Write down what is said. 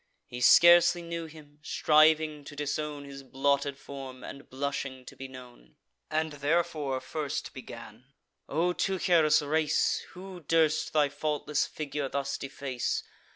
He scarcely knew him, striving to disown His blotted form, and blushing to be known; And therefore first began: "O Teucer's race, Who durst thy faultless figure thus deface?